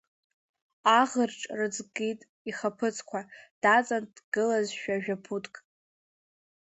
Аӷырҿ рыҵгеит ихаԥыцқәа, даҵан дгылазшәа жәа-ԥуҭк.